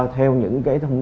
theo những cái